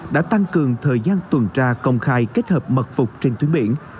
đã tăng cường thời gian tuần tra công khai kết hợp mật phục trên tuyến biển